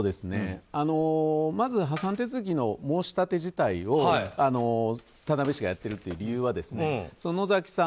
まず破産手続きの申し立て自体を田辺市がやっているという理由は野崎さん